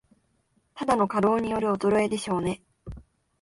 ただの加齢による衰えでしょうね